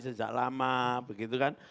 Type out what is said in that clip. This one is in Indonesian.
sejak lama begitu kan